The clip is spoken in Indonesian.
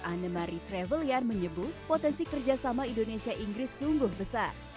anne marie trevelyan menyebut potensi kerjasama indonesia inggris sungguh besar